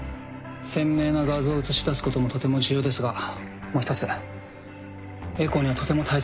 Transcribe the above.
鮮明な画像を写し出すこともとても重要ですがもう一つエコーにはとても大切なことがあります